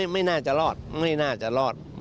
ไม่น่าจะรอดไม่น่าจะรอด